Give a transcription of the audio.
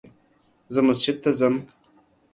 زه مسجد ته ځم